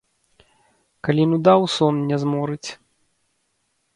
Калі нуда ў сон не зморыць.